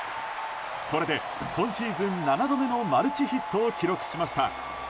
これで、今シーズン７度目のマルチヒットを記録しました。